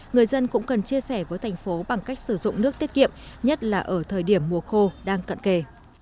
người dân cũng cần chia sẻ với thành phố bằng cách sử dụng nước tiết kiệm nhất là ở thời điểm mùa khô đang cận kề